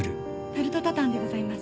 タルトタタンでございます。